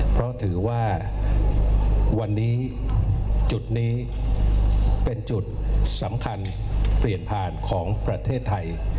เพราะถือว่าวันนี้จุดนี้เป็นจุดสำคัญเปลี่ยนผ่านของประเทศไทย